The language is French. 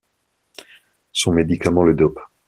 son médicament le dope